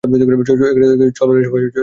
চল রে সবাই।